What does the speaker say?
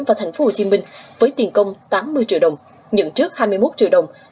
và thành phố hồ chí minh với tiền công tám mươi triệu đồng nhận trước hai mươi một triệu đồng